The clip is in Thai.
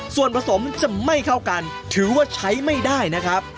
ส่วนผสมจะไม่เข้ากันถือว่าใช้ไม่ได้นะครับ